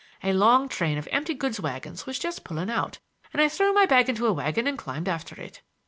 A long train of empty goods wagons was just pulling out and I threw my bag into a wagon and climbed after it.